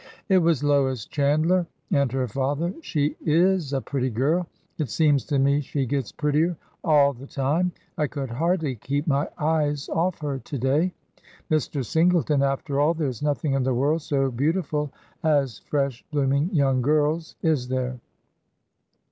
It was Lois Chandler and her father. She is a pretty girl. It seems to me she gets prettier all the time. I could hardly keep my eyes off her to day. Mr. Singleton, after all, there is nothing in the world so beautiful as fresh, blooming young girls, is there